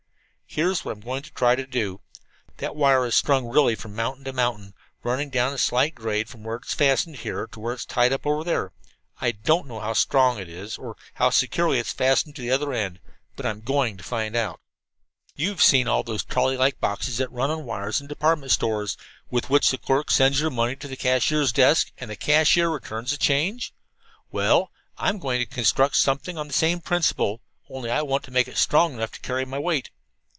"Here is what I am going to try to do: That wire is strung really from mountain to mountain, running down a slight grade from where it is fastened here to where it is tied up over there. I don't know how strong it is, or how securely it is fastened at the other end, but I'm going to find out. "You've all seen those trolley like boxes that run on wires in department stores, with which the clerk sends your money to the cashier's desk, and the cashier returns the change? Well, I'm going to construct something on the same principle, only I want to make it strong enough to carry my weight.